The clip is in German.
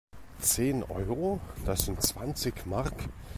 Zehn Euro? Das sind zwanzig Mark!